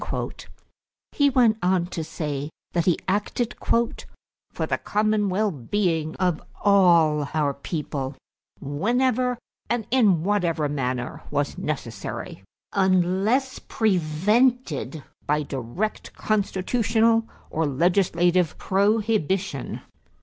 He went on to say that he acted "for the common well being of all our people whenever and in whatever manner was necessary, unless prevented by direct constitutional or legislative prohibition."